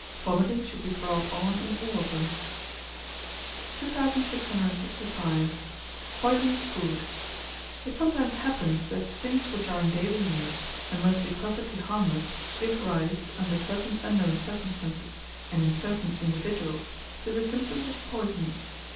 Vomiting should be brought on in all of them. 2665. Poisonous Food. It sometimes happens that things which are in daily use, and mostly perfectly harmless, give rise, under certain unknown circumstances, and in certain individuals, to the symptoms of poisoning.